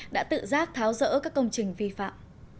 đã tự giác tháo rỡ các công trình vi phạm